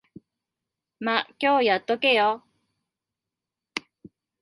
ま、今日やっとけよ。